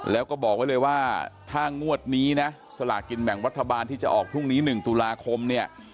แล้วก็บอกไว้เลยว่าถ้างวดนี้นะสลากินแบ่งรัฐบาลที่จะออกพรุ่งนี้๑ตุลาคมเนี่ย